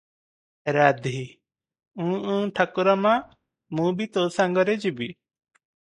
ରାଧୀ - ଉଁ ଉଁ ଠାକୁରମା, ମୁଁ ବି ତୋ ସାଙ୍ଗରେ ଯିବି ।